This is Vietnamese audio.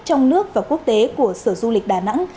trong nước và quốc tế của sở du lịch đà nẵng